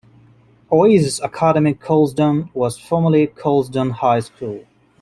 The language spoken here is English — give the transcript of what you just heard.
Oasis Academy Coulsdon was formerly Coulsdon High School.